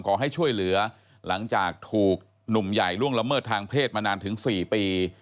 ขอให้ช่วยเหลือหลังจากถูกหนุ่มใหญ่ล่วงละเมิดทางเพศมานานถึง๔ปี